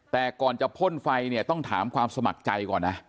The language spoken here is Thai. แต่ก่อนจะพ่นไฟเนี่ยต้องถามความสมัครใจก่อนนะ